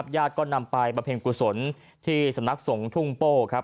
ญาติก็นำไปบำเพ็ญกุศลที่สำนักสงฆ์ทุ่งโป้ครับ